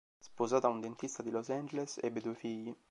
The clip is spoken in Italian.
Sposata a un dentista di Los Angeles, ebbe due figli.